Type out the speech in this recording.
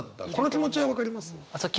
気持ちは分かります。